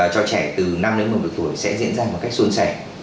cho trẻ từ năm đến một mươi tuổi sẽ diễn ra một cách xuân sẻ